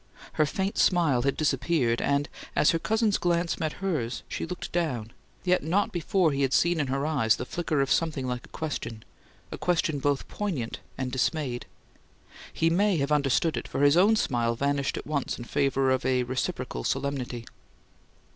Her faint smile had disappeared, and, as her cousin's glance met hers, she looked down; yet not before he had seen in her eyes the flicker of something like a question a question both poignant and dismayed. He may have understood it; for his own smile vanished at once in favour of a reciprocal solemnity.